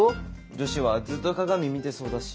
女子はずっと鏡見てそうだし。